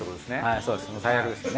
そうですね。